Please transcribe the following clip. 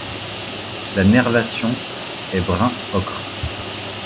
La nervation est brun ocre.